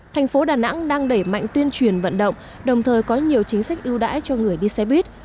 thành phố đà nẵng đang đẩy mạnh tuyên truyền vận động đồng thời có nhiều chính sách ưu đãi cho người đi xe buýt